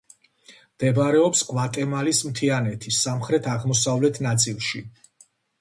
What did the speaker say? მდებარეობს გვატემალის მთიანეთის სამხრეთ-აღმოსავლეთ ნაწილში.